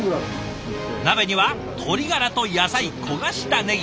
鍋には鶏がらと野菜焦がしたねぎ。